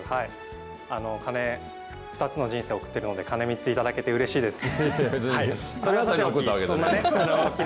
鐘、２つの人生を送っているので、鐘３つ頂けて、うれしいです。